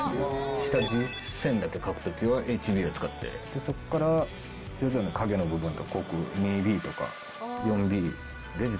下地線だけ描く時はＨＢを使ってそこから徐々に影の部分と濃く２Ｂとか４Ｂ。